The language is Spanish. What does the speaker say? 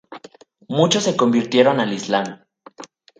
Muchos se convirtieron al islam.